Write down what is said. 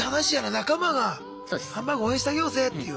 仲間がハンバーグ応援してあげようぜっていう。